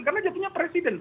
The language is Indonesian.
karena dia punya presiden